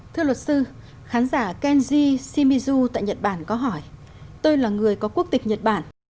thưa luật sư khán giả kenji shimizu tại nhật bản có hỏi tôi là người có quốc tịch nhật bản